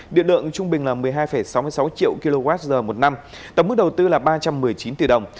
điện lượng trung bình một mươi hai sáu mươi sáu triệu kwh một năm tổng mức đầu tư ba trăm một mươi chín tỷ đồng